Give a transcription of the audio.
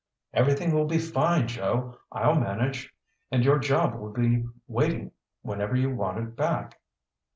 "Everything will be fine, Joe. I'll manage. And your job will be waiting whenever you want it back."